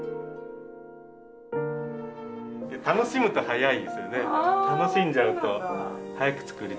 楽しむと早いですよね。